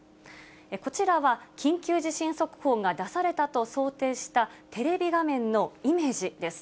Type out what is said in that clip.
こちらは緊急地震速報が出されたと想定した、テレビ画面のイメージです。